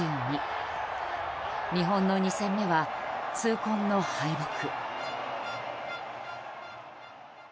日本の２戦目は痛恨の敗北。